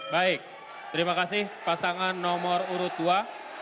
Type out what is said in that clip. baik terima kasih pasangan nomor urut dua